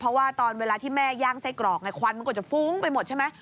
เพราะว่าตอนเวลาที่แม่ย่างไส้กรอกไงควันมันก็จะฟุ้งไปหมดใช่ไหม